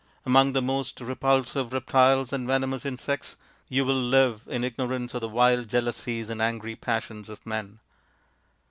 Among the most re pulsive reptiles and venomous insects you will live THE GREAT DROUGHT 259 in ignorance of the vile jealousies and angry passions of men.